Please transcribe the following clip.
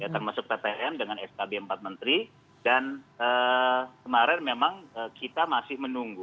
termasuk ptm dengan skb empat menteri dan kemarin memang kita masih menunggu